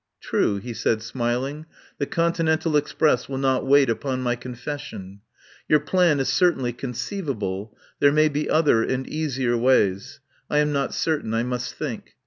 "True," he said smiling, "the continental express will not wait upon my confession. Your plan is certainly conceivable. There may be other and easier ways. I am not cer tain. I must think.